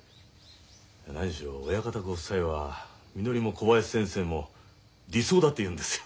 何しろ親方ご夫妻はみのりも小林先生も理想だって言うんですよ。